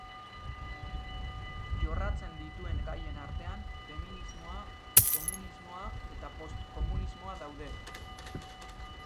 Jorratzen dituen gaien artean, feminismoa, komunismoa eta post-komunismoa daude.